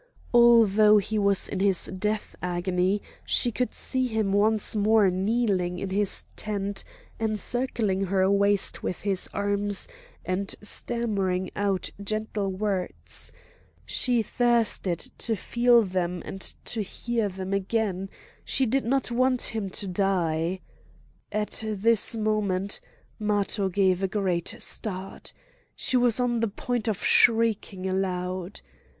Although he was in his death agony she could see him once more kneeling in his tent, encircling her waist with his arms, and stammering out gentle words; she thirsted to feel them and hear them again; she did not want him to die! At this moment Matho gave a great start; she was on the point of shrieking aloud.